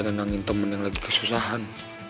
nenangin temen yang lagi kesusahan